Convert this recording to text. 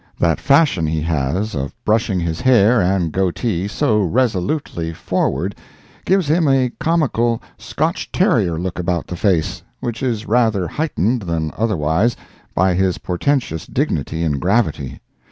That fashion he has of brushing his hair and goatee so resolutely forward gives him a comical Scotch terrier look about the face, which is rather heightened than otherwise by his portentous dignity and gravity.